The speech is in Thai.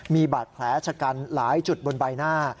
มีบาดแผลชะกันหลายจุดบนใบหน้า